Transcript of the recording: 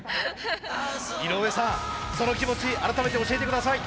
井上さんその気持ち改めて教えて下さい。